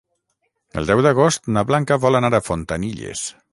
El deu d'agost na Blanca vol anar a Fontanilles.